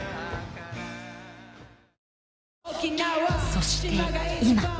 そして今。